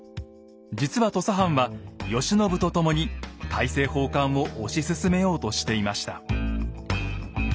実は土佐藩は慶喜と共に大政奉還を推し進めようとしていました。